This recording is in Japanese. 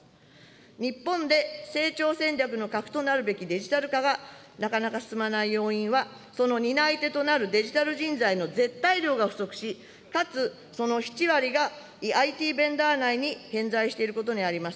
日本で成長戦略の核となるべきデジタル化がなかなか進まない要因は、その担い手となるデジタル人材の絶対量が不足し、かつその７割が、ＩＴベンダー内に偏在していることにあります。